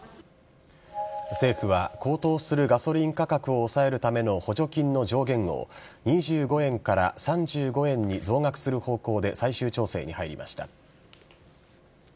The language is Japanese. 政府は高騰するガソリン価格を抑えるための補助金の上限を２５円から３５円に増額する方向で最終調整に入りました。